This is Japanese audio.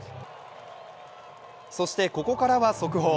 そして、ここからは速報。